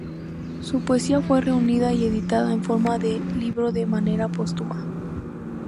Su poesía fue reunida y editada en forma de libro de manera póstuma.